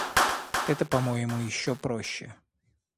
Это, по-моему, еще проще.